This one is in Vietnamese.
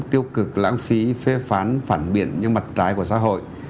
tiêu cực lãng phí phê phán phản biện những mặt trái của xã hội